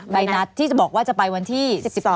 ใบนัดที่จะบอกว่าจะไปวันที่๑๒